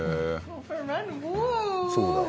そうだ。